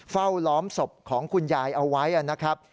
ล้อมศพของคุณยายเอาไว้นะครับ